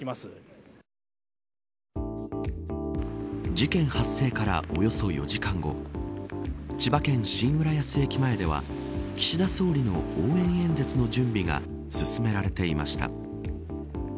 事件発生から、およそ４時間後千葉県、新浦安駅前では岸田総理の応援演説の準備が進められていました。